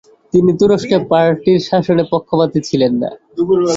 তিনি তুরস্কে পার্টির শাসনের পক্ষপাতি ছিলেন না।